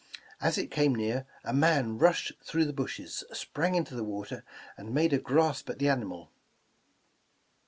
As it came near, a man rushed through the bushes, sprang into the water, and made a grasp at the animal.